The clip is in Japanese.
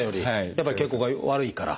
やっぱり血行が悪いから？